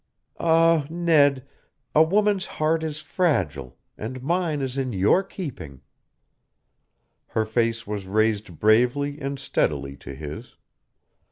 Ah, Ned, a woman's heart is fragile, and mine is in your keeping." Her face was raised bravely and steadily to his.